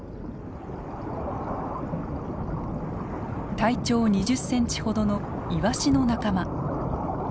体長２０センチほどのイワシの仲間。